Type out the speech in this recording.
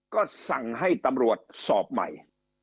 ก็สั่งให้ตำรวจสอบใหม่